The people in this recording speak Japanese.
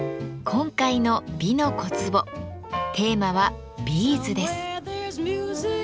今回の「美の小壺」テーマは「ビーズ」です。